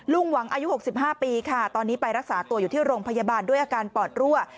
หวังอายุ๖๕ปีค่ะตอนนี้ไปรักษาตัวอยู่ที่โรงพยาบาลด้วยอาการปอดรั่ว